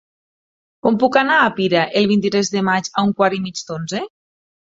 Com puc anar a Pira el vint-i-tres de maig a un quart i mig d'onze?